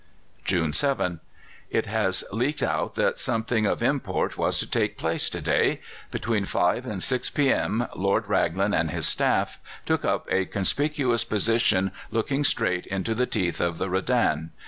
"June 7. It has leaked out that something of import was to take place to day. Between 5 and 6 p.m. Lord Raglan and his staff took up a conspicuous position looking straight into the teeth of the Redan.